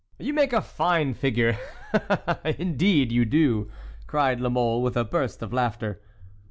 "You make a fine figure, indeed you do!" cried La Mole, with a burst of laughter.